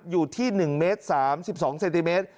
อยู่ที่๑เมตร๓๒เซนติเมตร